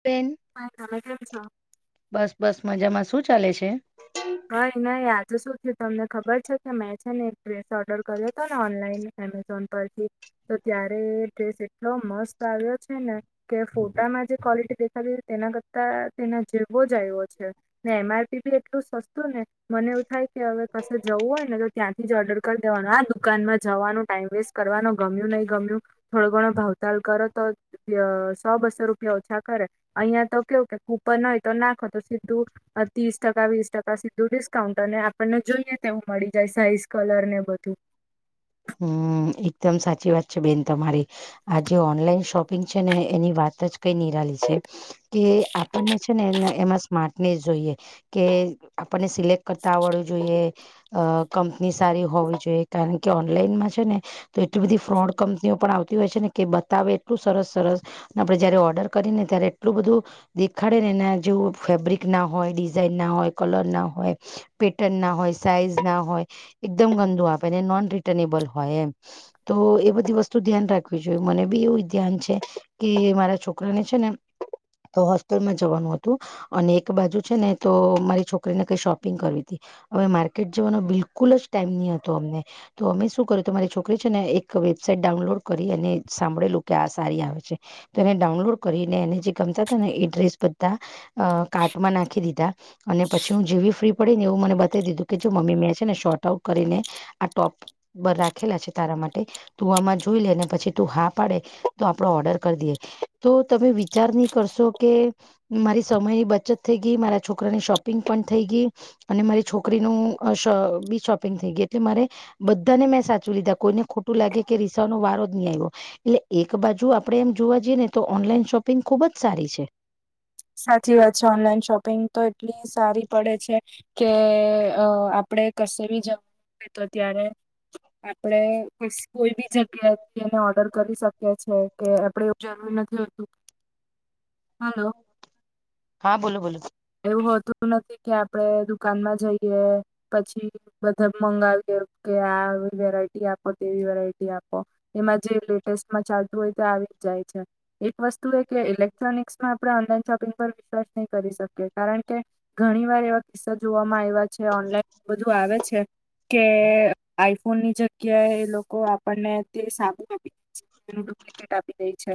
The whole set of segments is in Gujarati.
સ્પેન. કમે કે છે. બસ, બસ! મજામાં શું ચાલે છે? હાય, નહીં! આજે શું થયું તમને ખબર છે કે મેં છે ને એક ડ્રેસ ઓર્ડર કર્યો હતો ને ઓનલાઈન? એમેઝોન પરથી તો ત્યારે ડ્રેસ એટલો મસ્ત આવ્યો છે ને. કે ફોટામાં જે ક્વોલિટી દેખાતી, તેના કરતાં તેને જીવો જ આવ્યો છે. ને એમ. આર. પી બી એટલું સસ્તું! ને મને એવું થાય કે હવે કશે જવું હોય ને, તો ત્યાંથી જ ઓર્ડર દેવાનું, આ દુકાનમાં જવાનું, ટાઈમ વેસ્ટ કરવાનું, ગમ્યું નહી, ગમ્યું. થોડો ઘણ ભાવતાલ કર તો સો-બસો રૂપિયા ઓછા કરે, અહિયાં તો કેવું કે ક ઉપર ન હોય, તો નાખો તો. ત્રીસ ટકા, વીસ ટકા. બું ડિસ્કાઉન્ટ અને આપણને જોઈએ, તેવું મળી જાય, સાઇઝ કલર ને બધું. હમ, એકદમ સાચી વાત છે બેન તમારી. આ જે ઓનલાઈન શોપિંગ છે ને, એની વાત જ કઈ નિરાલી છે. કે આપણને છે ને, એ એમાં સ્માર્ટનેસ જોઈએ કે આપણને સિલેક્ટ કરતા આવડવું જોઈએ. અ કંપની સારી હોવી જોઈએ, કારણ કે ઓનલાઈનમાં છે ને. તો એટલી બધી ફ્રોડ કંપનીઓ પણ આવતી હોય છે ને, કે બતાવે એટલું સરસ સરસ આપડે જયારે ઓર્ડર કરીને, ત્યારે એટલું બધું દેખાડે ને, એના જેવ ફેબ્રિક ના હોય, ડિઝાઇન ના હોય, કલર ના હોય. પેટર્ન ના હોય, સાઈઝ ના હોય, એકદમ ગંદુ આપે, નોન રિટર્નેબલ હોય એમ. તો એ બધી વસ્તુ ધ્યાન રાખવી જોઈએ, મને બી એવું ધ્યાન છે, કે મારા છોકરાને છે ને. તો હોસ્ટેલમાં જવાનું હતું, અને એક બાજુ છે ને, તો મારી છોકરીને કઈ શોપિંગ કરવી હતી, હવે માર્કેટ જવાનો બિલકુલ જ ટાઈમ નહીં હતો, અમને તો અમે શું કર્યું તમારી છોકરી છે ને, એક વેબસાાઈટ ડાઉનલોડ કરી અને સાંભળેલું કે, આ સારી આવે છે. તો એને ડાઉનલોડ કરીને, એને જે ગમતા હતા, ને એડ્રેસ બધા અ કાટમાં નાખી દીધા. અને પછી હું જેવી ફ્રી પડી ને, એવું મને બતાવી દીધું કે, જો મમ્મી મેં છે ને, શોર્ટ આઉટ કરીને, આ ટોપ બ રાખેલા છે, તારા માટે. તું આમાં જોઈ લેને, પછી તું હા પાડે તો આપડો ઓર્ડર કરી દઈએ. તો તમે વિચાર નહીં કરશો કે, મારી સમયની બચત થઈ ગઈ, મારા છોકરાને શોપ શોપિંગ પણ થઈ ગઈ, અને મારી છોકરીનું બી શોપિંગ થઈ ગઈ, એટલે મારે બધાને મેં સાચું લીધા, કોઈને ખોટું લાગે, કે રીસા નો વારો જ નહી આવ્યો. એટલે એક બાજુ આપડે એમ જોવા જઈએ ને, તો ઓનલાઈન શોપિંગ ખુબ જ સારી છે. સાચી વાત છે, ઓનલાઈન શોપિંગ તો એટલી સારી પડે છે. કે અ આપણેે કશે બી જવું હોય તો ત્યારે. આપડે કોઈ બી જગ્યાથી એને ઓર્ડર કરી શકીએ છે. કે આપડે એવું જરૂરી નથી હોતું. હા, બોલો, બોલો. એવું હોતું નથી કે, આપડે દુકાનમાં જઈએ પછી. બધા મંગાવી કે, આ વેરાયટી આપો, તેવી વેરાયટી આપો. એમાં જે લેટેસ્ટમાં ચાલતું હોય, તે આવી જ જાય છે. એક વસ્તુ એ કે ઇલેક્ટ્રોનિક્સમાં આપણે ઓનલાઈન શોપિંગ પર વિશ્વાસ નહીં કરી શકી. કારણ કે, ઘણી વાર એ કિસ્સા જોવામાં આવ્યા છે. ઓનલાઈન બધું આવે છે કે આઈફોનની જગ ગ્યા એ લોકો આપણને તે સાબુન આપી દે છે. એનું ડુપ્લિકેટ આપી દે છે.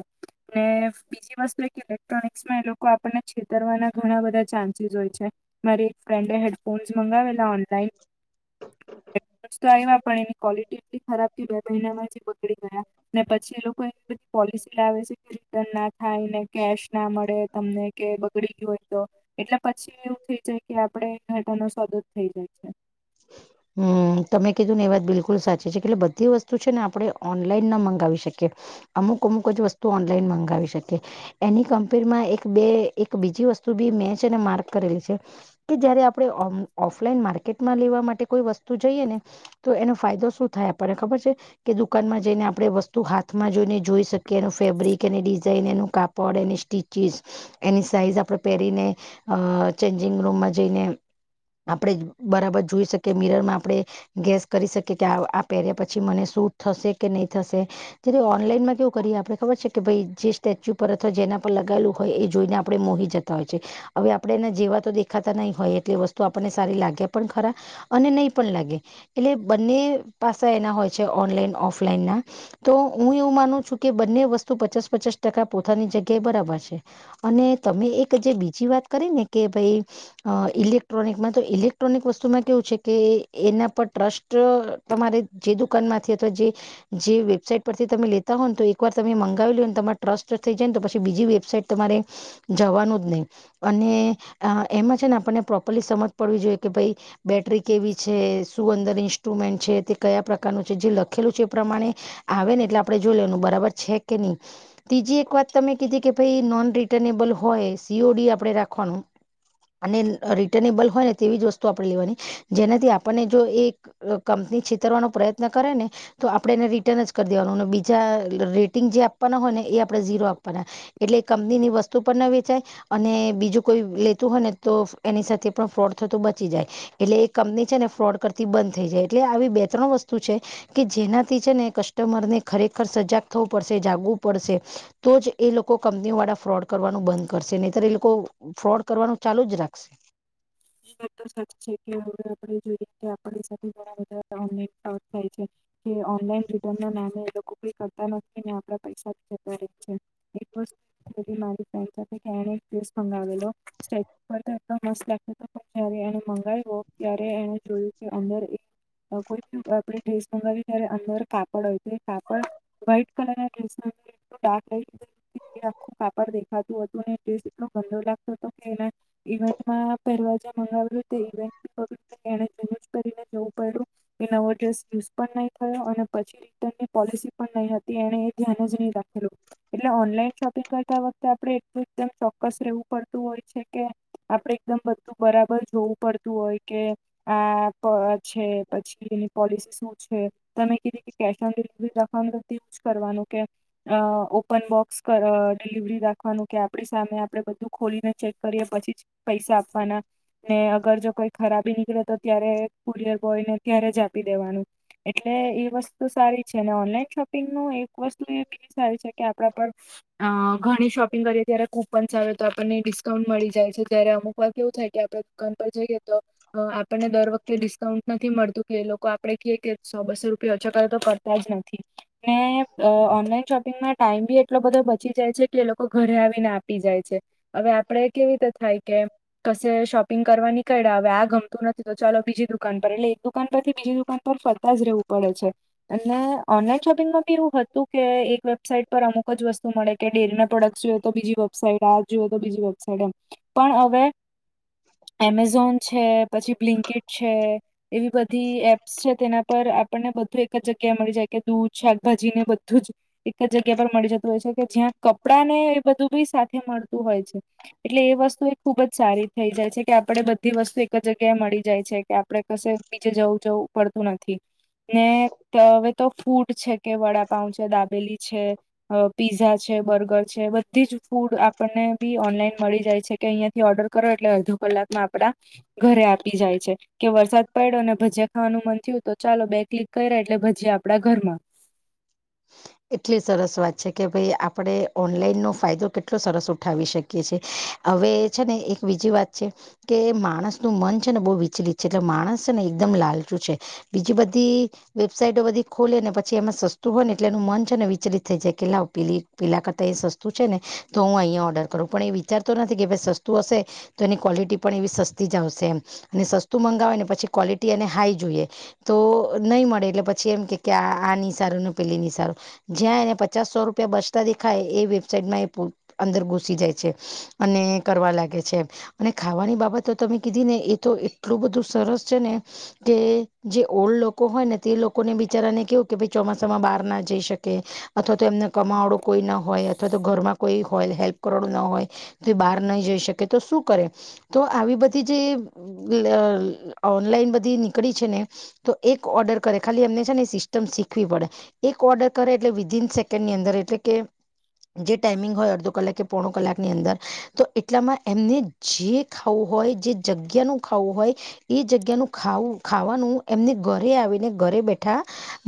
ને બીજી વસ્તુ એ કે ઇલેક્ટ્રોનિક્સમાં એ લોકો આપણને છેતરવાના ઘણા બધા ચાન્સીસ હોય છે. મારી એક ફ્રેન્ડ હેડફોન્સ મંગાવેલા ઓનલાઈન હેડફોન્સ તો આવ્યા પણ એની કવોલિટી એટલી ખરાબ કે બે મહિનામાં જ ઈ બગડી ગયા. ને પછી એ લોકો એવી બધી પોલિસી લાવે છે કે રિટર્ન ના થાય, ને કેશ ના મળે. તમને કે બગડી ગયું હોય. તો એટલે પછી એવું થઇ જાય કે આપણે ઘટનો સોદો જ થઇ જાય છે. હમ તમે કીધું ને એ વાત બિલકુલ સાચ ચી છે કે એટલે બધી વસ્તુ છે ને આપણે ઓનલાઈન ના મંગાવી શકીએ. અમુક અમુક જ વસ્તુ ઓનલાઈન મંગાવી શકીએ. એની કમ્પેરમાં એક બે એક બીજી વસ્તુ બી મે છે ને માર્ક કરેલી છે. કે જયારે આપણે ઓમ ઓફલાઈન માર્કેટમાં લેવા માટે કોઈ વસ્તુ જઈએ ને તો એનો ફાયદો શું થાય આપણને ખબર છે? કે દુકાનમાં જઈને આપડે વસ્તુ હાથમાં જોઈને જોઈ શકીએ એનું ફેબ્રિક, એની ડિઝાઇન, એનું કાપ પડ એની સ્ટિચિસ. એની સાઈઝ આપણે પહેરીને, અ ચેન્જિંગ રૂમમાં જઈને આપણે બરાબર જોઈ શકીએ મિરરમાં આપણે ગેસ કરી શકીએ કે આ આપ પહેર્યા પછી મને શું થશે કે, નહીં થશે. જ્યારે ઓનલાઈનમાં કેવું કરીએ આપણે ખબર છે કે ભાઈ જે સ્ટેચ્યુ પર અથવા જેના પર લગાયેલું હોય એ જોઈને આપણે મોહી જત તા હોય છે. હવે આપણે એના જેવા તો દેખાતા નહી હોય એટલે એ વસ્તુ આપણને સારી લાગે પણ ખરા અને નહી પણ લાગે. એટલે બંને પાસા એના હોય છે ઓનલાઈન, ઓફલાઈનના તો હું એવું માનું છું કે બંને વસ્તુ પચાસ, પચાસ ટકા પોતાની જગ્યાએ બરાબર છે. અને તમે એક જે બીજી વાત કરી ને કે ભાઈ અ ઇલેક્ટ્રોનિકમાં તો ઇલેક્ટ્રોનિક વસ્તુમાં કેવું છે કે એના પર ટ્રસ્ટ તમારે જે દુકાનમાંથી અથવા જે જે વેબસાાઈટ પરથી તમે લેતા હો ને તો એકવાર તમે મંગાવી લ્યો ને તમાર ટ્રસ્ટ થઈ જાય ને તો પછી બીજી વેબસાઈટ તમારે જવાનું જ નહી. અને એમાં છે ને આપણને પ્રોપરલી સમજ પડવી જોઈએ કે ભાઈ બેટરી કેવી છે, શું અંદર ઇન્સ્ટ્રુમેન્ટ છે તે કયા પ્રકારનું છે જે લખેલું છે એ પ્રમાણે આવે ને એટલે આપણે જોઈ લેવાનું બરાબર છે કે નહી. ત્રીજી એક વાત તમે કીધી કે ભાઈ નોન રિટર્નેબલ હોય સીઓડી આપણે રાખવાનું. અને રિટર્નેબલ હોય ને તેવી જ વસ્તુ આપણે લેવાની જેનાથી આપણને જો એક કંપની છેતરવાનો પ્રયત્ન કરે ને તો આપણે એને રિટર્ન જ કર દેવાનું અને બીજા રેટિંગ જે આપવાના હોય ને એ આપણે ઝીરો આપવાના. એટલે કંપની ની વસ્તુ પણ ના વેચાય. અને બીજું કોઈ લેતું હોય ને તો એની સાથે પણ ફ્રોડ થતું બચી જાય. એટલે એ કંપની છે ને ફ્રોડ કરતી બંધ થઈ જાય. એટલે આવી બે ત્રણ વસ્તુ છે. કે જેનાથી છે ને કસ્ટમરને ખરેખર સજાગ થવું પડશે, જાગવું પડશે. તો જ એ લોકો કંપનીઓ વાળા ફ્રોડ કરવાનું બંધ કરશે નહીતર એ લોકો ફ્રોડ કરવાનું ચાલુ જ રાખશે. એ વાત તો સાચી છે કે હવે આપણે જોઈએ કે આપણા સાથે ઘણા બધા ફ્રોડ થાય છે. કે ઓનલાઈન રિટર્ન ના નામે એ લોકો પે કરતા નથી ને આપણા પૈસા જતા રહે છે. [inaudible] મારી ફ્રેન્ડ સાથે કેનેસ મંગાવેલો સ્ટેચુ પર એકદમ મસ્ત લાગ જયારે એને મગાવ્યવો ત્યારે એને જોયું કે અંદર એક હહ કોઈ બી આપણે ડેસ મંગાવીએ ત્યારે અંદર કાપડ હોય તો તે કાપડ વાઈટ કલરના ડ્રેસમાં કોઈ દિ ડાર્ક હોય તો એ આખું કાપડ દેખાતું હતું ને ડ્રેસ એટલો ગંદો લાગતો હતો કે એના ઇવેન્ટમાં દરવાજા મંગાવું તો તે ઇવેન્ટ [unintelligible] તેને જ યુઝ કરીને [unintelligible] પડું એ નવો ડ્રેસ યુઝ નહી થયો અને પછી [unintelligible] ની પોલિસી પણ નહી હતી એને એ ધ્યાન જ નહી રાખેલો. એટલે ઓનલાઈન શોપિંગ કરતા વખતે આપડે એટલું [unintelligible] ચોક્કસ રેવું પડતું હોય છે કે આપડે એકદમ બધું બરાબર જોવું પડતું હોય કે આ પ છે પછી એની પોલિસી શું છે તમે કીધી કે કેશ ઓન ડિલિવરી રાખવાનું તો જ કરવાનું કે અ ઓપન બોક્સ પર ડિલિવરી રાખવાનું કે આપણી સામે આપણે બધું ખોલીને ચેક કરીએ પછી જ જ આપવાના ને અગર જો કોઈ ખરાબી નીકળે તો ત્યારે એ થોડીક એ કોઈને ત્યારે જ આપી દેવાનું એટલે એ વસ્ત તો સારી છે અને ઓનલાઈન શોપિંગ નું એક વસ્તુ એ બીલી સારી છે કે આપણા પર અ ઘણી શોપિંગ કરી ત્યારે કુપન્સ આવે તો આપણને ડિસ્કાઉન્ટ મળી જાય છે, જયારે અમુક વાર કેવું થાય કે આતો દુકાન પર જઈએ તો અ આપણને દર વખતે ડિસ્કાઉન્ટ નથી મળતું કે એ લોકો આપડે કીએ કે સો બસો રૂપિયા ઓછ કરે તો કર તાજ નથી ને અ ઓનલાઈન શોપિંગમા ટાઈમ બી એટલો બધો બચી જાય છે કે એ લોકો ઘરે આવીને આપી જાય છે હવે આપડે કેવી રીતે થાય કેમ કશે શોપિંગ કરવા નીકયડા હવે આ ગમતું નથી તો ચાલો બીજી દુકાન પર એટલે એક દુકાન પર થી બીજી દુકાન પર ફરતા જ રહેવું પડે છે. અને ઓનલાઈન શોપિંગમાં બી એવું હતું કે એક વેબસાાઈટ પર અમુક જ વસ્તુ મળે કે ડેરી ના પ્રોડક્ટ જોઈએ તો બીજી વેબસાાઈટ આ જ જોઈ તો બીજી વેબસાાઈટ એમ. પણ હવે એમેઝોન છે, પછી બ્લિંકીટ છે એવી બધી એપ્સ છે તેના પર આપણને બધું એક જ જગ્યા મળી જાય કે દૂધ, શાકભાજી ને બધું જ એક જ જગ્યા પર મળી જતું હોય છે કે જ્યાં કપડાં ને એ બધું બી સાથે મળતું હોય છે. એટલે એ વસ્ત તો એ ખુબ જ સારી થઈ જાય છે કે આપડે બધી વસ્તુ એક જગ્યાએ મળી જાય છે કે આપડે કશે બીજે જવું જવું પડતું નથી. ને હવે તો ફૂટ છે કે વડાપાઉ છે, દાબેલી છે અ પીઝા છે, બર્ગર છે, બધી જ ફૂડ આપણને બી ઓનલાઈન મળી જાય છે. કે અહિયાં થી ઓર્ડર કરો એટલે અડધો કલાકમાં આપડા ઘરે આપી જાય છે. કે વરસાદ પયડો અને ભજીયા ખાવાનું મન થ્યું તો ચાલો બે ક્લિક કર્યા એટલે ભજીયા આપણા ઘરમાં. એટલી સરસ વાત છે કે ભઈ આપડે ઓનલાઈનનો ફાયદો કેટલો સરસ ઉઠાવી શક કીએ છે હવે છે ને એક બીજી વાત છે કે માણસનું મન છે ને બહુ વિચલિત છે એટલે માણસ છે ને એકદમ લાલચું છે. બીજી બધી વેબસાાઈટો બધી ખોલે ને પછી એમાં સસ્તું હોય ને એટલે એનું મન છે ને વિચલિત થઈ જાય કે લાવ પીલી પીલા કરતાં એ સસ્તું છે ને તો હું અહીંયા ઓર્ડર કરું પણ એ વિ ચારતો નથી કે ભઈ સસ્તું હશે તો એની ક્વોલિટી પણ એવી સસ્તી જ આવશે એમ અને સસ્તું મંગાવે ને પછી ક્વોલિટી એને હાઈ જોઈએ. તો નહી મળે એટલે પછી એમ કે કે આ આ નિ સારું ને પેલી ની સારું. જ્યાં એને પચાસ સો રૂપિયા બસતા દેખાય એ વેબસાાઈટમાં એ પુ અંદર ઘુસી જાય છે. અને કરવા લાગે છે. અને ખાવાની બાબત તો તમે કીધી ને એ તો એટલું બધું સરસ છે ને કે જે ઓલ્ડ લોકો હોય ને તે લોકોને બિચારાને કેવું કે ભઈ ચોમા સામા બહાર ના જઈ શકે અથવા તો એમને કમાવડું કોઈ ના હોય અથવા તો ઘરમાં કોઈ હોયલ હેલ્પ કરડું ના હોય તો એ બહાર નહી જઈ શકે તો શું કરે તો આવી બધી જે લ ઓનલાઈન બધી નીકળી છે ને તો એક ઓર્ડર કરે ખાલી એમને છે ને સિસ્ટમ શીખવી પડે. એક ઓર્ડર કરે એટલે વિધિન સેકન્ડની અંદર એટલે કે જે ટાઈમિંગ હોય અડધો કલાક કે પોણો કલાકની અંદર તો એટલામાં એમને જે ખાવું હોય જે જગ્યાનું ખાવું હોય એ જગ્યાનું ખું વુ ખાવાનું એમને ઘરે આવીને ઘરે બેઠા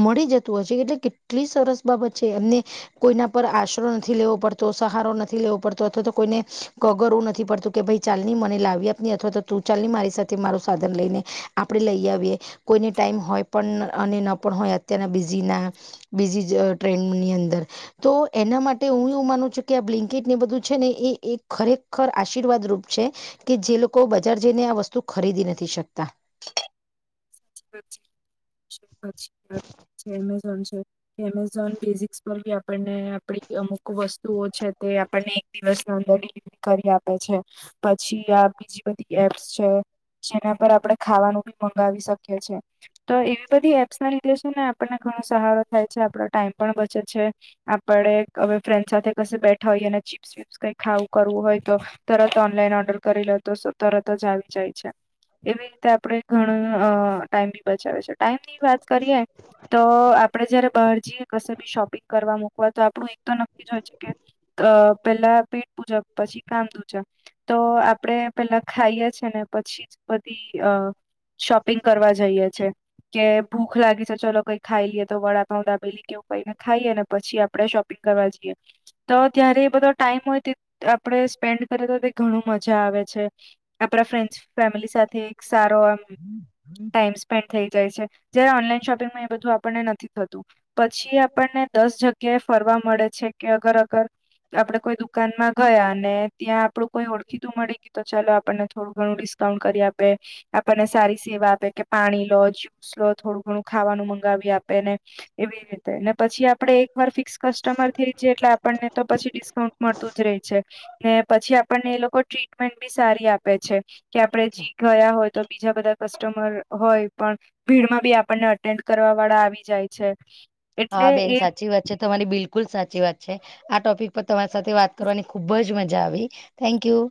મળી જ હો છે એટલે કેટલી સરસ બાબત છે એમને કોઈના પર આશરો નથી લેવો પડતો સહારો નથી લેવો પડતો અથવા તો કોઈને ગગરવું નથી પડતું કે ભાઈ ચાલની મને લાવી આપની અથવા તો તું ચાલની મારી સાથે મારું સાધન લઈને આપડણે લઈ આવીએ કોઈને ટાઈમ હોય પણ અને ન પણ હોય અત્યના બ બીના બીજી ટ્રેનની અંદર તો એના માટે હું એવું માનું છું કે આ બ્લિન્કેટ ને બધું છે ને એ એક ખરેખર આશીર્વાદ રૂપ છે કે જે લોકો બજાર જઈને આ વસ્તુ ખરીદી નથી શકતા છી એમેઝોન છે એમેઝોન ફેઝિક્સ પર બી આપને આપડી અમુક વસ્તુઓ છે તે આપણને એક દિવસના અંદર કરી આપે છે પછી આ બીજી બધી એપ્સ છે જેના પર આપણેે ખાવાનું પણી મગાવી શકીએ છે તો એવી બધી એપ્સ ના લીધે શું ને આપણને ઘણો સહારો થાય છે આપડો ટાઈમ પણ બચે છે આપડ હવે ફ્રેન્ડ સાથે કસે બેઠા હોઈએ અને ચીપ્સ કઈ ખાવું કરવું હોય તો તરત ઓનલાઈન ઓર્ડર કરી લેતો તરત જ આવી જાય છે એવી રીતે આપડ ઘણું અ ટાઈમ બી બચાવે છે ટાઈમ ની વાત કરીએ તો આપડે જયારે બહાર જઈએ કશે બી શોપિંગ કરવા મુકવા તો આપડું એક તો નક્કી જ હોય છે કે અ પેલા પેટ પૂજા પછી કામં દુજા તો આપડે પેલા ખાઈએ છે ને પછી જ બધી અ શોપિંગ કરવા જઈએ છે કે ભૂખ લાગી છે ચલો કઈ ખાઈ લઈએ તો વડા પાઉં દાબેલી કેવું કઈને ખાઈએને પછી આપડે શો કરવા જઈએ તો ત્યારે બધો ટાઈમ હોય આપડે સ્પેન્ડ કરે તો તે ઘણું મજા આવે છે આપડા ફ્રેન્ડ ફેમિલી સાથે એક સારો એમ ટાઈમ સ્પેન્ડ થઈ જાય છે જયારે ઓનલાઈન શોપિંગમાં એ બધું આપણને નથી થતું. પછી આપણને દસ જગ્યા એએ ફરવા મળે છે કે અગર અગર આપડે કોઈ દુકાનમાં ગયા ને ત્યાં આપડું કોઈ ઓળખીતું મળી ગય તો ચાલો આપને થોડું ઘણું ડિસ્કાઉન્ટ કરી આપે આપણને સારી સેવા આપે કે પાણી લો જ્યુસ લો થોડું ઘણું ખાવાનું મંગાવી આપે ને એવી રીતે ને પછી આપડે એક વાર ફિક્સ કસ્ટમર થઈ જએ એટલે આપણને તો પછી ડિસ્કાઉન્ટ મળતું જ ર રહે છે. ને પછી આપણને એ લોકો ટ્રીટમેન્ટ બી સારી આપે છે કે આપડે જી ગયા હોય તો બીજા કસ્ટમર હોય પણ ભીડમાં બી આપણને અટેન્ડ કરવા વાળા આવી જાય છે. હા એટલે બેન એ સાચી વાત છે તમારી બિલકુલ સાચી વાત છે. આ ટોપિક પર તમારી સાથે વાત કરવાની ખુબ જ મજા આવી થેન્ક યુ.